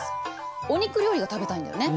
お肉料理が食べたいんだよね？